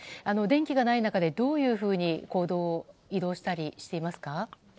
電気がない中でどういうふうに移動したりしていますか？